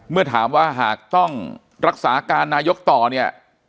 เมื่อถามว่าหากต้องรักษาการนายกต่อเนี่ย